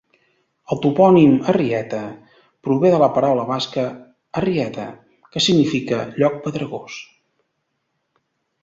El topònim "Arrieta" prové de la paraula basca "harrieta", que significa "lloc pedregós".